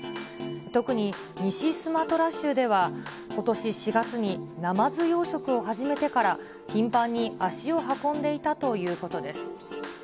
特に、西スマトラ州では、ことし４月にナマズ養殖を始めてから頻繁に足を運んでいたということです。